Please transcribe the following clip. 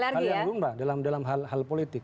itu kan hal yang rumba dalam hal hal politik